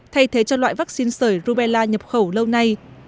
thay thế cho loại vaccine sởi rubella nhập khẩu lâu nay